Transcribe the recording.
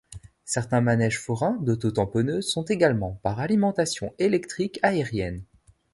Certains manèges forains d'auto-tamponneuses sont également par alimentation électrique aérienne.